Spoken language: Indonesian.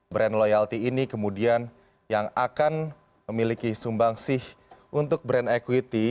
brand loyalti ini kemudian yang akan memiliki sumbang sih untuk brand equity